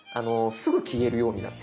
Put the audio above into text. すぐ消えるようになる。